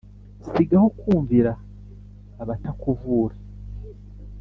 sigaho kumvira abatakuvura